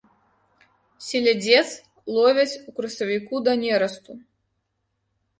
Селядзец ловяць у красавіку да нерасту.